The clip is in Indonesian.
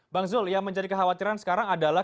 bang zul yang menjadi kekhawatiran sekarang adalah